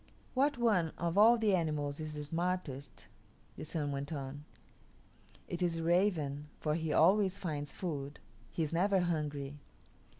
"What one of all the animals is the smartest?" the Sun went on. "It is the raven, for he always finds food; he is never hungry.